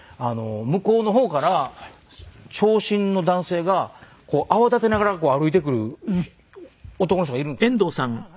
向こうの方から長身の男性が泡立てながら歩いてくる男の人がいるんですよ。